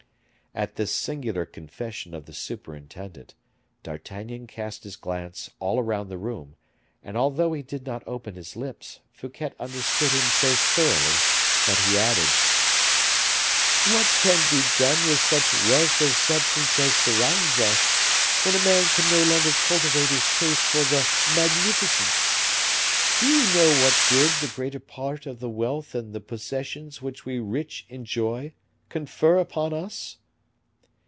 At this singular confession of the superintendent, D'Artagnan cast his glance all round the room; and although he did not open his lips, Fouquet understood him so thoroughly, that he added: "What can be done with such wealth of substance as surrounds us, when a man can no longer cultivate his taste for the magnificent? Do you know what good the greater part of the wealth and the possessions which we rich enjoy, confer upon us?